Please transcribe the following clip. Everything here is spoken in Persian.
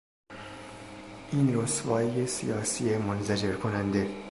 این رسوایی سیاسی منزجر کننده